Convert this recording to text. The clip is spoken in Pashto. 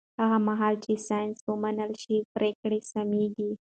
هغه مهال چې ساینس ومنل شي، پرېکړې سمې کېږي.